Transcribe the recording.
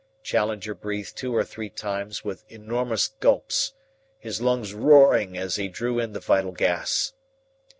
Challenger breathed two or three times with enormous gulps, his lungs roaring as he drew in the vital gas.